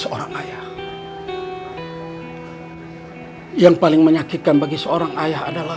orang asing yang paling penting di hidupnya cucu